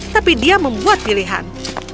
tapi dia membuat pilihan